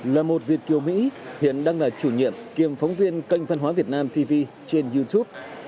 là một việt kiều mỹ hiện đang là chủ nhiệm kiêm phóng viên kênh phân hóa việt nam tv trên youtube